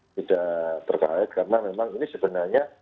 tidak terkait karena memang ini sebenarnya